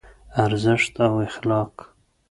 ارزښت او اخلاق